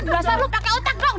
gua suruh pakai otak dong